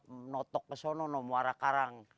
lengkap menotok ke sana muara karang